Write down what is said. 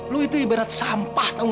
lo itu ibarat sampah tau gak